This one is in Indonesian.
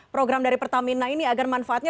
program dari pertamina ini agar manfaatnya